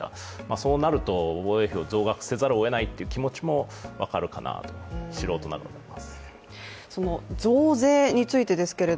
そうなると、防衛費を増額せざるをえないという気持ちも分かるかなと、素人ながらですけど。